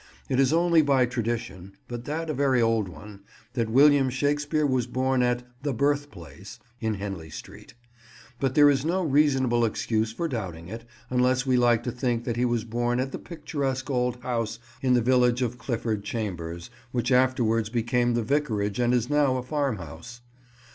It is only by tradition—but that a very old one—that William Shakespeare was born at "the birthplace" in Henley Street; but there is no reasonable excuse for doubting it, unless we like to think that he was born at the picturesque old house in the village of Clifford Chambers, which afterwards became the vicarage and is now a farmhouse.